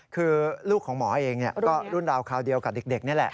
คือลูกของหมอเองก็รุ่นราวคราวเดียวกับเด็กนี่แหละ